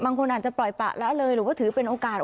บางคนอาจจะปล่อยปะละเลยหรือว่าถือเป็นโอกาส